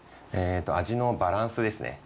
味のバランスですね。